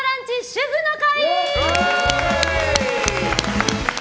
主婦の会。